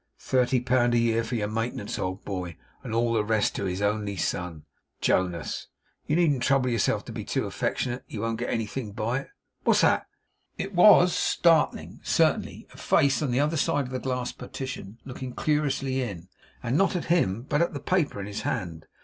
Thirty pound a year for your maintenance, old boy, and all the rest to his only son, Jonas. You needn't trouble yourself to be too affectionate. You won't get anything by it. What's that?' It WAS startling, certainly. A face on the other side of the glass partition looking curiously in; and not at him but at the paper in his hand.